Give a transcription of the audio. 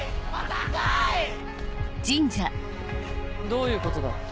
どういうことだ？